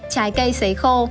trái cây xấy khô